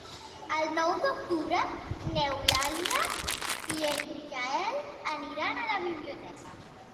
El nou d'octubre n'Eulàlia i en Gaël aniran a la biblioteca.